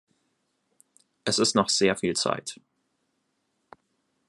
Es ist noch sehr viel Zeit.